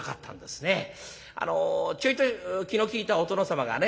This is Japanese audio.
ちょいと気の利いたお殿様がね